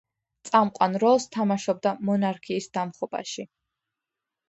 წამყვან როლს თამაშობდა მონარქიის დამხობაში.